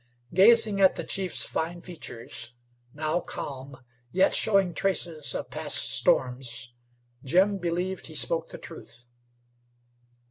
Gazing at the chief's fine features, now calm, yet showing traces of past storms, Jim believed he spoke the truth.